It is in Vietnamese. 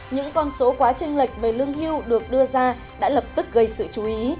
những con số quá tranh lệch về lương hiêu được đưa ra đã lập tức gây sự chú ý